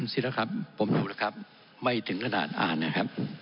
สิแล้วครับผมดูแล้วครับไม่ถึงขนาดอ่านนะครับ